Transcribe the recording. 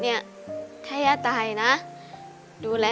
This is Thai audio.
นี้เป็นรายการทั่วไปสามารถรับชมได้ทุกวัย